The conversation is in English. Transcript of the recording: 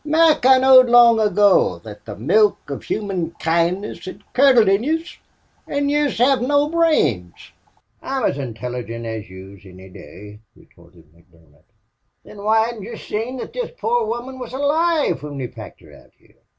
"Mac, I knowed long ago thot the milk of human kindness hed curdled in yez. An' yez hev no brains." "I'm as intilligint as yez any day," retorted McDermott. "Thin why hedn't yez seen thot this poor woman was alive whin we packed her out here?